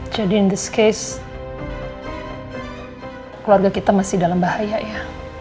jadi in this case keluarga kita masih dalam bahaya ya